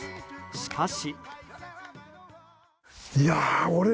しかし。